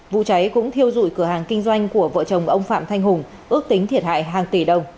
vụ cháy cũng thiêu dụi cửa hàng kinh doanh của vợ chồng ông phạm thanh hùng ước tính thiệt hại hàng tỷ đồng